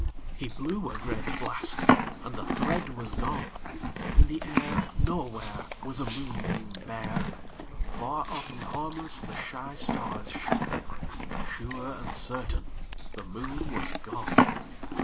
He blew a great blast, and the thread was gone; In the air Nowhere Was a moonbeam bare; Far off and harmless the shy stars shone; Sure and certain the Moon was gone.